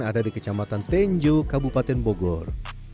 yang ada di kecamatan tenjo kabupaten bogor